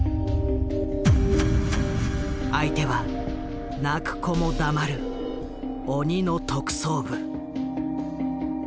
相手は泣く子も黙る「鬼の特捜部」。